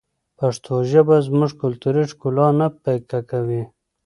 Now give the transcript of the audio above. پښتو ژبه زموږ کلتوري ښکلا نه پیکه کوي.